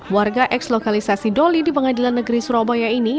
warga eks lokalisasi doli di pengadilan negeri surabaya ini